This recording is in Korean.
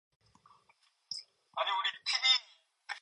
내일은 내일의 태양이 뜬다.